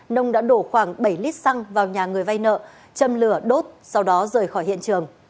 nông đã đổ khoảng bảy lít xăng vào nhà người vay nợ châm lửa đốt sau đó rời khỏi hiện trường